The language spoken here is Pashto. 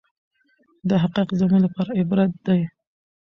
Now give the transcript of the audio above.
دا حقایق زموږ لپاره عبرت دي.